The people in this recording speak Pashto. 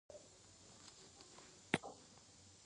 هره لیکنه د ژبې خدمت دی.